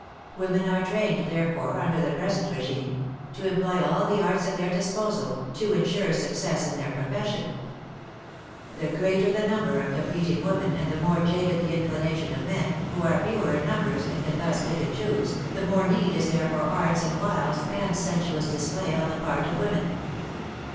Women are trained therefore, under the present rdgime, to employ all the arts at their disposal to ensure success 222 WAR AND WOMEN in their profession. The greater the number of competing women and the more jaded the inclination of men, who are fewer in numbers and can thus pick and choose, the more need is there for arts and wiles and sensuous display on the part of women.